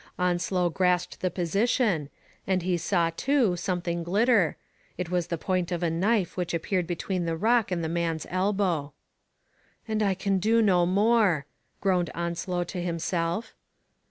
Onslow grasped the position, and he saw, too, something glitter — it was the point of a knife which appeared between the rock and the man's elbow. "And I can do no more," groaned Onslow to himself.